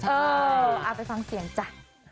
เอาไปฟังเสียงจ้ะ